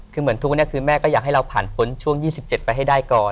คือเหมือนทุกวันนี้คือแม่ก็อยากให้เราผ่านพ้นช่วง๒๗ไปให้ได้ก่อน